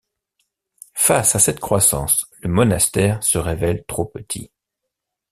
Face à cette croissance, le monastère se révèle trop petit.